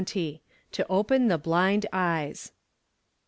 (( TO OPEN THE BLIND EYES.